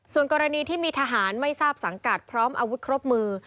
ส่วนกรณีที่มีทหารไม่ทราบสังกัดพร้อมอาวุธครบมือ